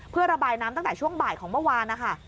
เพื่อระบายน้ำตั้งแต่ช่วงบ่ายของเมื่อวานนะคะ